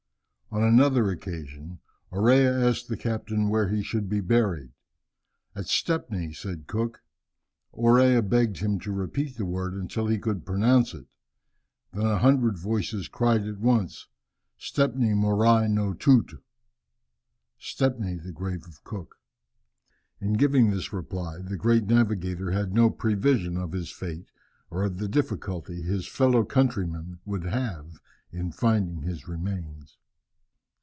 On another occasion, Orea asked the captain where he should be buried. "At Stepney," said Cook. Orea begged him to repeat the word until he could pronounce it. Then a hundred voices cried at once, "Stepney morai no Toote," "Stepney the grave of Cook." In giving this reply the great navigator had no prevision of his fate, or of the difficulty his fellow countrymen would have in finding his remains.